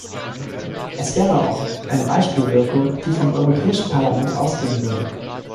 Es wäre auch eine Beispielswirkung, die vom Europäischen Parlament ausgehen würde.